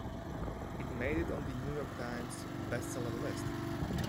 It made it on to the "New York Times" bestseller list.